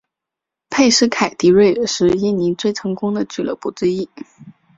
佩斯凯迪瑞是印尼最成功的俱乐部之一。